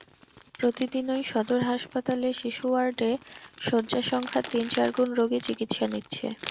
প্রতিদিনই সদর হাসপাতালের শিশু ওয়ার্ডে শয্যাসংখ্যার তিন-চার গুণ রোগী চিকিৎসা নিচ্ছে।